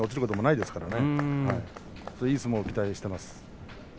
いい相撲を期待しています。